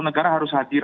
negara harus hadir